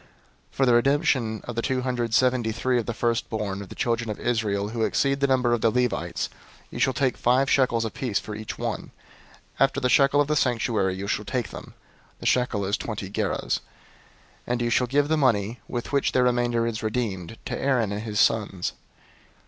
003:046 For the redemption of the two hundred seventy three of the firstborn of the children of Israel, who exceed the number of the Levites, 003:047 you shall take five shekels apiece for each one; after the shekel of the sanctuary you shall take them (the shekel is twenty gerahs): 003:048 and you shall give the money, with which the remainder of them is redeemed, to Aaron and to his sons."